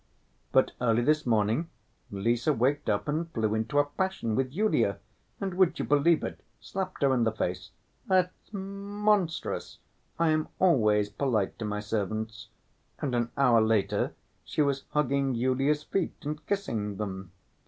But early this morning Lise waked up and flew into a passion with Yulia and, would you believe it, slapped her in the face. That's monstrous; I am always polite to my servants. And an hour later she was hugging Yulia's feet and kissing them.